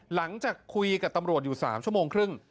หลังจากคุยกับตำรวจอยู่๓ชั่วโมงครึ่ง